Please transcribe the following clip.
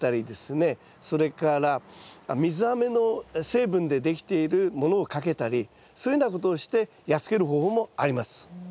それから水あめの成分でできているものをかけたりそういうようなことをしてやっつける方法もあります。